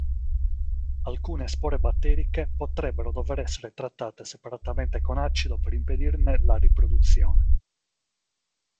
Alcune spore batteriche potrebbero dover essere trattate separatamente con acido per impedirne la riproduzione.